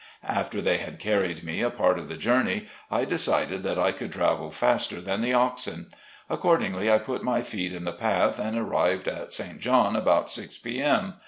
After they had carried me a part of the journey, I decided that I could travel faster than the oxen. Accordingly, I put my feet in the path, and arrived at St. John about six P M.